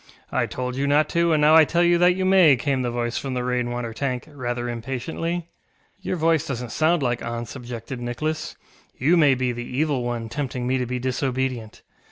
ŌĆ£I told you not to, and now I tell you that you may, ŌĆØ came the voice from the rain water tank, rather impatiently. ŌĆ£Your voice doesnŌĆÖt sound like auntŌĆÖs, ŌĆØ objected Nicholas; ŌĆ£you may be the Evil One tempting me to be disobedient.